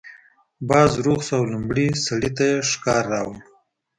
باز روغ شو او لومړي سړي ته یې شکار راوړ.